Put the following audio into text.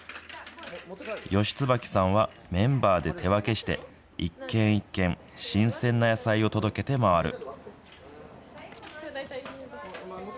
吉椿さんはメンバーで手分けして、一軒一軒、新鮮な野菜を届けて回る。